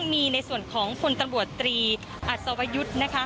มีในส่วนของพลตำรวจตรีอัศวยุทธ์นะคะ